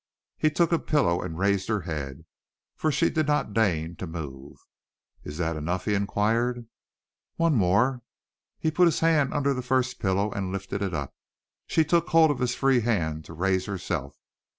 He took a pillow and raised her head, for she did not deign to move. "Is that enough?" he inquired. "One more." He put his hand under the first pillow and lifted it up. She took hold of his free hand to raise herself.